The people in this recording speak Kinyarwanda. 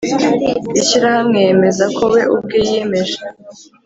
Ishyirahamwe yemeza ko we ubwe yiyemeje